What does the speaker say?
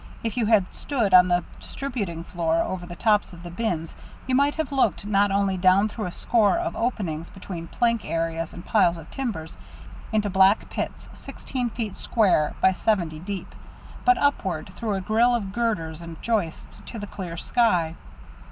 If you had stood on the distributing floor, over the tops of the bins, you might have looked not only down through a score of openings between plank areas and piles of timbers, into black pits, sixteen feet square by seventy deep, but upward through a grill of girders and joists to the clear sky.